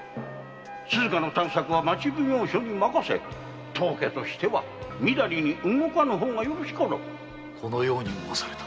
鈴加の探索は町奉行所に任せ当家としてはみだりに動かぬ方がよかろうこのように申された。